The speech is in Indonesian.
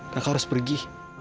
kakak harus pergi